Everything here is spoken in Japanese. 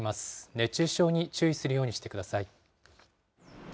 熱中症に注意するようにしてください。